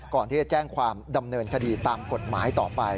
ก่อนที่จะแจ้งความดำเนินคดีตามกฎหมายต่อไป